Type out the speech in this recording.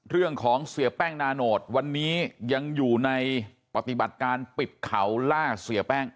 เสียแป้งนาโนตวันนี้ยังอยู่ในปฏิบัติการปิดเขาล่าเสียแป้ง